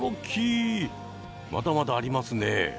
まだまだありますね。